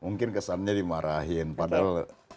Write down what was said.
mungkin kesannya dimarahin padahal